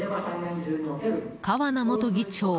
川名元議長